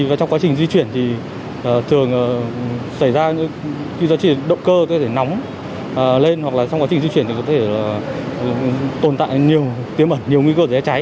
và trong quá trình di chuyển thì thường xảy ra những cái giá trị động cơ có thể nóng lên hoặc là trong quá trình di chuyển có thể tồn tại nhiều nguy cơ dễ cháy